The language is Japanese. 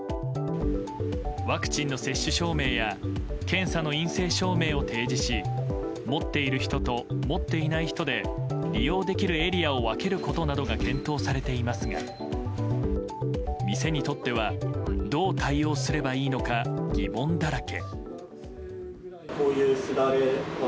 ワクチンの接種証明や検査の陰性証明を提示し持っている人と持っていない人で利用できるエリアを分けることなどが検討されていますが店にとってはどう対応すればいいのか疑問だらけ。